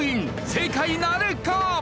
正解なるか？